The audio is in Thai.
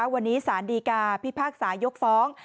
วันนี้สารดีกาพิพากษายกฟ้อง